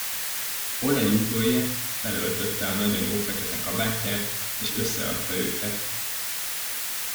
Ole Luköie felöltötte a nagyanyó fekete kabátját, és összeadta őket.